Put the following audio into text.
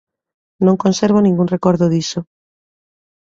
Non conservo ningún recordo diso.